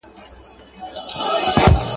چي په منځ کي د همزولو وه ولاړه !.